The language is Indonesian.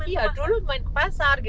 ya dulu main ke pasar